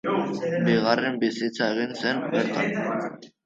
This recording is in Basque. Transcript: Bigarren bizitza egin zen bertan.